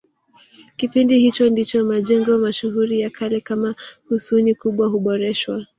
Kipindi hicho ndicho majengo mashuhuri ya kale kama Husuni Kubwa kuboreshwa